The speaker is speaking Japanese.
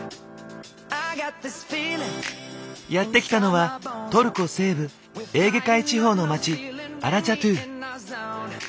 やって来たのはトルコ西部エーゲ海地方の街アラチャトゥ。